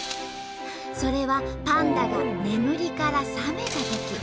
それはパンダが眠りから覚めたとき。